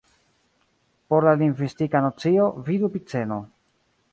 Por la lingvistika nocio, vidu Epiceno.